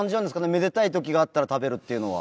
めでたい時があったら食べるっていうのは。